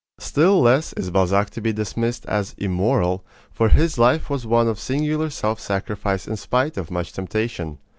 Still less is Balzac to be dismissed as "immoral," for his life was one of singular self sacrifice in spite of much temptation.